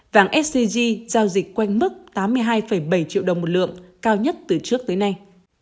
vàng sg giao dịch quanh mức tám mươi hai bảy triệu đồng một lượng cao nhất từ trước tới nay